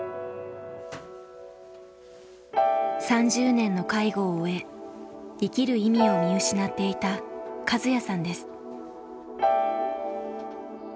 ３０年の介護を終え生きる意味を見失っていたカズヤさんです。